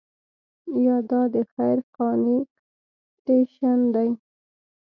یا دا د خير خانې سټیشن دی.